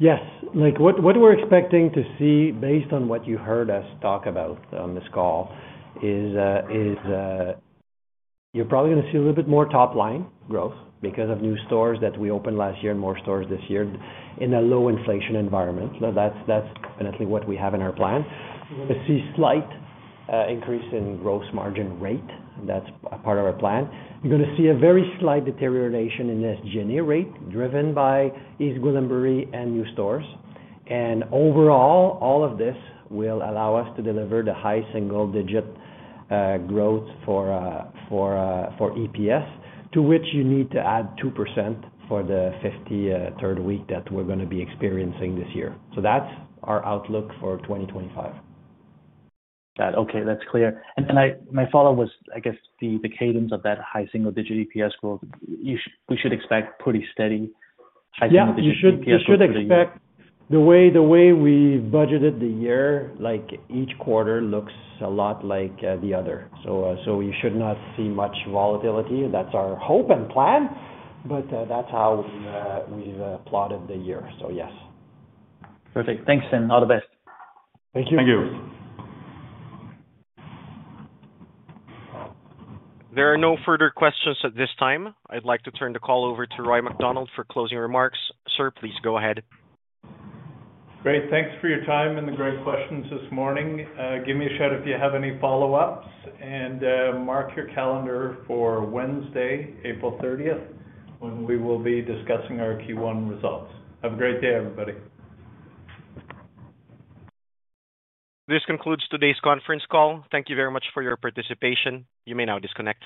Yes. What we're expecting to see based on what you heard us talk about on this call is you're probably going to see a little bit more top-line growth because of new stores that we opened last year and more stores this year in a low inflation environment. That's definitely what we have in our plan. We're going to see a slight increase in gross margin rate. That's part of our plan. You're going to see a very slight deterioration in the SG&A rate driven by East Gwillimbury and new stores. And overall, all of this will allow us to deliver the high single-digit growth for EPS, to which you need to add 2% for the 53rd week that we're going to be experiencing this year. So that's our outlook for 2025. Got it. Okay. That's clear. And my follow-up was, I guess, the cadence of that high single-digit EPS growth. We should expect pretty steady high single-digit EPS growth. Yeah. You should expect the way we budgeted the year, each quarter looks a lot like the other. So you should not see much volatility. That's our hope and plan. But that's how we've plotted the year. So yes. Perfect. Thanks, and all the best. Thank you. Thank you. There are no further questions at this time. I'd like to turn the call over to Roy MacDonald for closing remarks. Sir, please go ahead. Great. Thanks for your time and the great questions this morning. Give me a shout if you have any follow-ups and mark your calendar for Wednesday, April 30th, when we will be discussing our Q1 results. Have a great day, everybody. This concludes today's conference call. Thank you very much for your participation. You may now disconnect.